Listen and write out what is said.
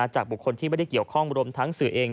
จากบุคคลที่ไม่ได้เกี่ยวข้องรวมทั้งสื่อเอง